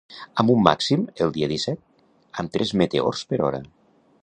amb un màxim el dia disset, amb tres meteors per hora